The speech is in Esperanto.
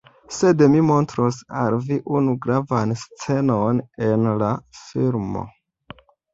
Sed mi montros al vi unu gravan scenon en la filmo